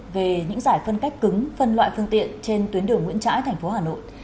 về những giải phân cách cứng phân loại phương tiện trên tuyến đường nguyễn trãi tp hà nội